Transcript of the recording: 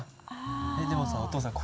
えっでもさお父さん